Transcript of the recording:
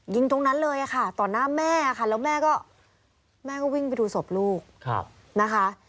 ตรงนั้นเลยค่ะต่อหน้าแม่ค่ะแล้วแม่ก็แม่ก็วิ่งไปดูศพลูกนะคะ